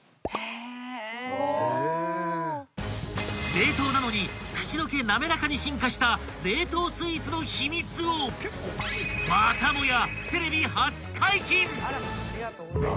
［冷凍なのに口溶けなめらかに進化した冷凍スイーツの秘密をまたもや］